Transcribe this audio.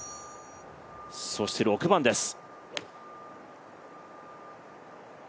そして６番です。